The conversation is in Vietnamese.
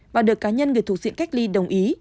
và được cá nhân người thuộc diện cách ly đồng ý